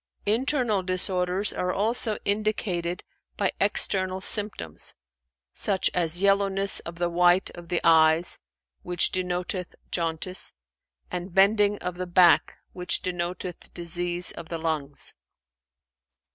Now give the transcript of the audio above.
Internal disorders are also indicated by external symptoms, such as yellowness of the white of the eyes, which denoteth jaundice, and bending of the back, which denoteth disease of the lungs."